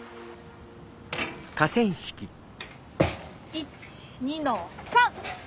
１２の３！